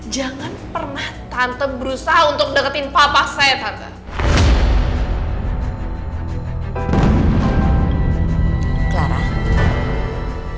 jangan pernah tante berusaha untuk deketin papa saya tante